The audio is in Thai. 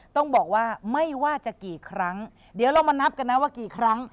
ต้องบอกว่าไม่ว่าจะกี่ครั้งเดี๋ยวเรามานับกันนะว่ากี่ครั้ง